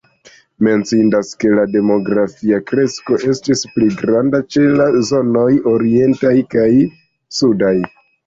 Menciindas ke la demografia kresko estis pli granda ĉe la zonoj orientaj kaj sudaj.